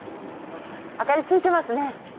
明かりついてますね！